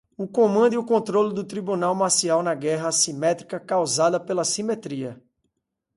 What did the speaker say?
O comando e controlo do tribunal marcial na guerra assimétrica causada pela assimetria